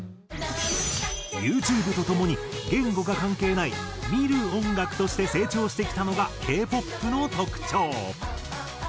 ユーチューブとともに言語が関係ない見る音楽として成長してきたのがＫ−ＰＯＰの特徴。